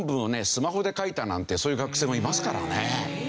スマホで書いたなんてそういう学生もいますからね。